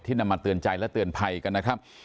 นำมาเตือนใจและเตือนภัยกันนะครับ